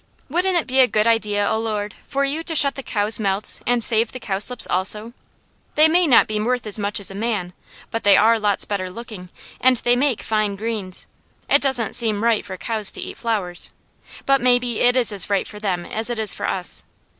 Wouldn't it be a good idea, O Lord, for You to shut the cows' mouths and save the cowslips also; they may not be worth as much as a man, but they are lots better looking, and they make fine greens. It doesn't seem right for cows to eat flowers; but maybe it is as right for them as it is for us.